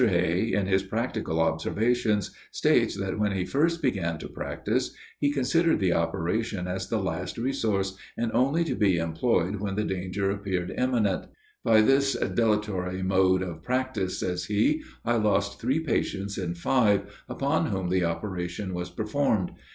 Hey in his Practical Observations, states that when he first began to practice, he considered the operation as the last resource, and only to be employed when the danger appeared imminent. "By this dilatory mode of practice," says he, "I lost three patients in five, upon whom the operation was performed.